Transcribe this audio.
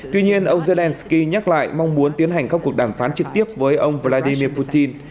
tuy nhiên ông zelenskyy nhắc lại mong muốn tiến hành các cuộc đàm phán trực tiếp với ông vladimir putin